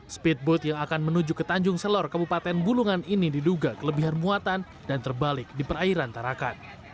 speedboat yang akan menuju ke tanjung selor kabupaten bulungan ini diduga kelebihan muatan dan terbalik di perairan tarakan